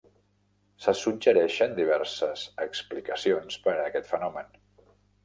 Se suggereixen diverses explicacions per a aquest fenomen.